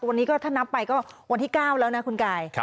วันนี้ก็ถ้านับไปก็วันที่๙แล้วนะคุณกาย